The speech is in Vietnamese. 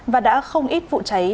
và đã không ít vụ cháy